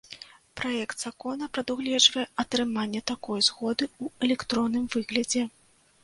Праект закона прадугледжвае атрыманне такой згоды ў электронным выглядзе.